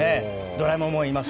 ドラえもんもいます。